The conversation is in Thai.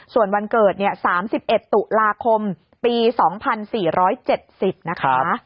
ส่วนวันเกิด๓๑ตุลาคมปี๒๔๗๐นะคะ